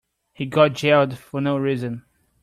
He got jailed for no reason.